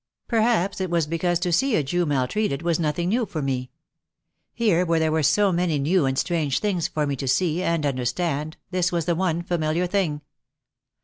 Perhaps it was because to see a Jew maltreated was nothing new for me. Here where there were so many new and strange things for me to see and understand this was the one familiar thing.